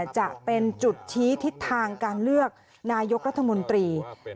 จะเป็นจุดชี้ทิศทางการเลือกนายกรัฐมนตรี